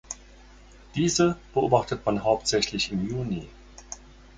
Diese beobachtet man hauptsächlich im Juni.